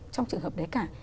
trong trường hợp đấy cả